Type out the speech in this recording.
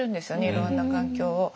いろんな環境を。